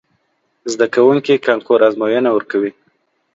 زده کوونکي کانکور ازموینه ورکوي.